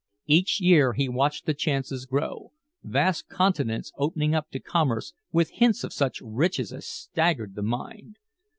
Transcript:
Each year he watched the chances grow, vast continents opening up to commerce with hints of such riches as staggered the mind.